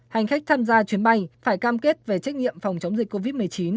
hành khách tham gia chuyến bay phải cam kết về trách nhiệm phòng chống dịch covid một mươi chín